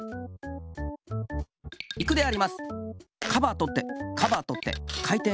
いくであります。